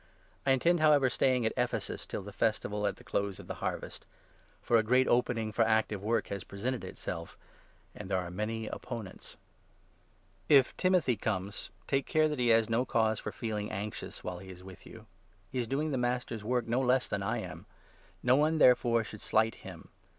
I intend, 8 however, staying at Ephesus till the Festival at the close of the Harvest ; for a great opening for active work has pre 9 sented itself, and there are many opponents. 47 Gen. 2. 7. 6* Isa. 25. 8. 63( 57 Hos. 13. 14. M* 330 I. CORINTHIANS, 16. If Timothy comes, take care that he has no 10 Timothy. cause for feeling anxious while he is with you. He is doing the Master's work no less than I am. No one, n therefore, should slight him.